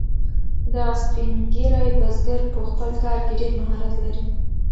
دغه سپین ږیری بزګر په خپل کار کې ډیر مهارت لري.